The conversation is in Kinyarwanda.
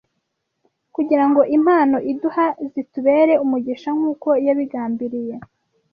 kugira ngo impano iduha zitubere umugisha nk’uko yabigambiriye.